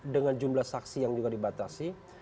dengan jumlah saksi yang juga dibatasi